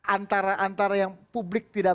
antara antara yang publik tidak